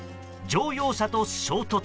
乗用車と衝突。